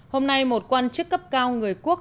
hôm nay một quan chức cấp cao người quốc